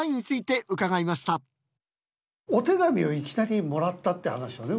お手紙をいきなりもらったって話をね